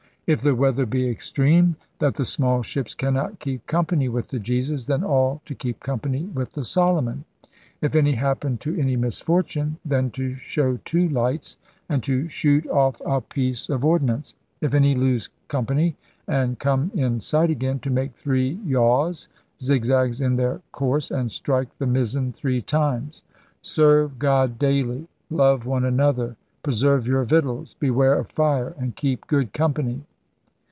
... If the weather be extreme, that the small ships cannot keep company with the Jesus, then all to keep company with the Solomon. ... If any happen to any misfortune, then to show two lights, and to shoot off a piece IL\WKIXS AXD THE HGHTIXG TRADERS 77 of ordnance. If any lose company and come in sight again, to make three yaws [zigzags in their course] and strike the mizzen three times, seevz GOD D ULY. LOVE OXE AXOTHEE. PRESEEVZ YOUR VICTUAI^. BEWAEE OF FIBE, AXD KEEP GOOD COMPANY.